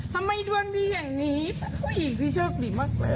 ดวงดีอย่างนี้ผู้หญิงพี่โชคดีมากเลย